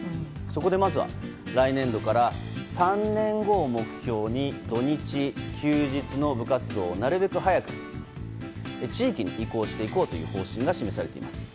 そこで、まずは来年度から３年後を目標に土日・休日の部活動をなるべく早く地域に移行していこうという方針が示されています。